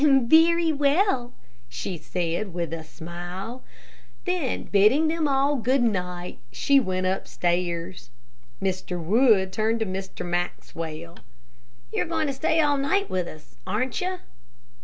"Very well," she said, with a smile. Then bidding them all good night, she went upstairs. Mr. Wood turned to Mr. Maxwell. "You're going to stay all night with us, aren't you?"